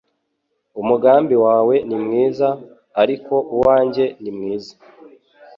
Umugambi wawe ni mwiza, ariko uwanjye ni mwiza.